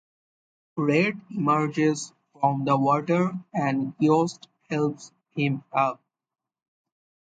Red emerges from the water and Yost helps him up.